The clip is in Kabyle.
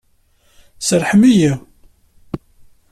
Serrḥem-iyi!